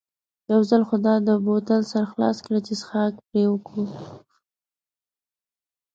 یو ځل خو دا د بوتل سر خلاص کړه چې څښاک پرې وکړو.